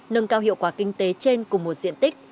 nâng cao hiệu quả kinh tế trên cùng một diện tích